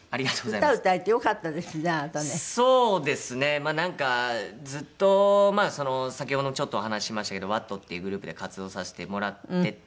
まあなんかずっとその先ほどもちょっとお話ししましたけどＷａＴっていうグループで活動させてもらってて。